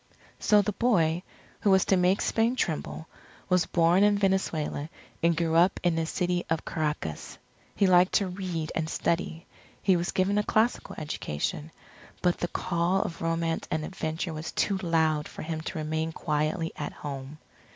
So the boy, who was to make Spain tremble, was born in Venezuela, and grew up in the City of Caracas. He liked to read and study. He was given a classical education. But the call of romance and adventure was too loud for him to remain quietly at home.